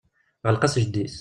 Ɣleq-as jeddi-s.